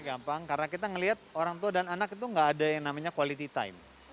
gampang karena kita melihat orang tua dan anak itu gak ada yang namanya quality time